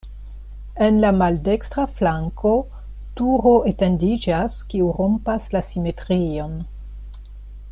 En la maldekstra flanko turo etendiĝas, kiu rompas la simetrion.